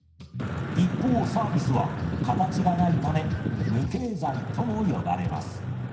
一方サービスは形がないため無形財とも呼ばれます。